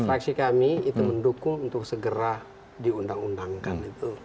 fraksi kami itu mendukung untuk segera diundang undangkan